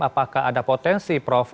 apakah ada potensi prof